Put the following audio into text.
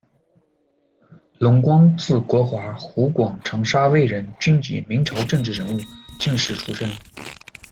龙光，字国华，湖广长沙卫人，军籍，明朝政治人物、进士出身。